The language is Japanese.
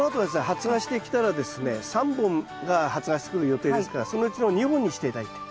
発芽してきたらですね３本が発芽してくる予定ですからそのうちの２本にして頂いて。